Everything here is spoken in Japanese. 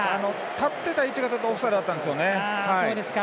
立ってた位置がオフサイドだったんですよね。